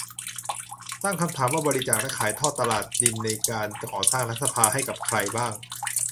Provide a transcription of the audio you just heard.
ตั้งคำถามว่าบริจาค และ ขายทอดตลาด ดินในการก่อสร้างรัฐสภา ให้กับใครบ้าง